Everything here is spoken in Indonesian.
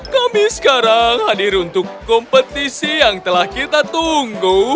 kami sekarang hadir untuk kompetisi yang telah kita tunggu